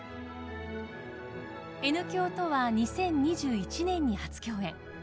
Ｎ響とは２０２１年に初共演。